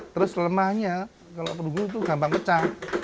terus lemahnya kalau perunggu itu gampang pecah